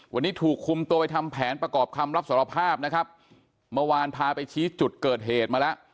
วันนี้ถูกคุมตัวไปทำแผนประกอบคำรับสารภาพนะครับเมื่อวานพาไปชี้จุดเกิดเหตุมาแล้ว